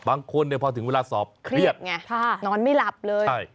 บางคนพอถึงเวลาสอบเครียดคลียดไงนอนไม่หลับเลยใช่